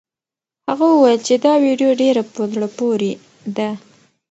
هغه وویل چې دا ویډیو ډېره په زړه پورې ده.